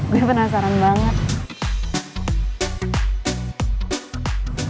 gue penasaran banget